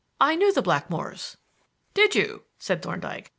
I knew the Blackmores." "Did you?" said Thorndyke.